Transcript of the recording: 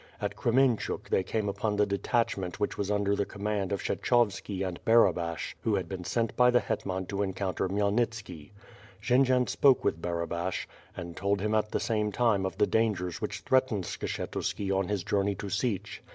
At Kremenchuk they came upon the detach ment which was under the command of Kshechovski and Barabash, who had been sent by the hetman to encounter Khmyelnitski. Jendzian spoke with Barabash, and told him at the same time of the dangers which threatened Skshetuski on his journey to Sich.